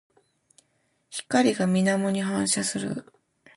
光が水面に反射する。